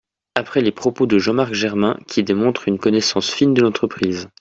Après les propos de Jean-Marc Germain, qui démontrent une connaissance fine de l’entreprise.